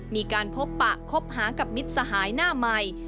มีการพบปะคบหากับมิตรสหายหน้าใหม่